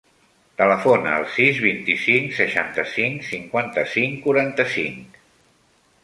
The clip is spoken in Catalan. Telefona al sis, vint-i-cinc, seixanta-cinc, cinquanta-cinc, quaranta-cinc.